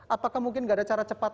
apakah mungkin nggak ada cara cepat